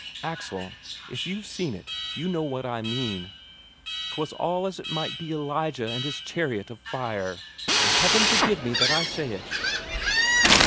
Axel, if you've seen it, you know what I mean; 'twas all as it might be Elijah and his chariot of fire, and Heaven forgive me that I say it...."